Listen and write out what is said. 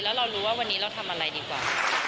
แล้วเรารู้ว่าวันนี้เราทำอะไรดีกว่า